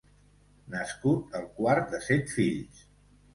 Nascut el quart de set fills.